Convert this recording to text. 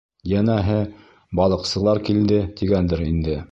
Йәнәһе, балыҡсылар килде, тигәндер инде.